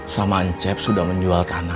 suamancep sudah menjual tanahnya